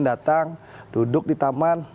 datang duduk di taman